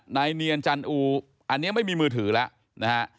นายเนียนจันอูอันนี้ไม่มีมือถือแล้วนะฮะ